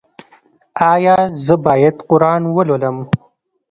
ایا زه باید قرآن ولولم؟